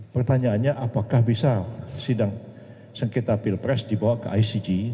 pertanyaannya apakah bisa sidang sengketa pilpres dibawa ke icg